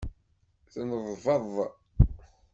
Tneḍbeḍ.